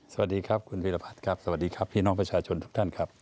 สวัสดีครับคุณวิรพัฒน์ครับสวัสดีครับพี่น้องประชาชนทุกท่านครับ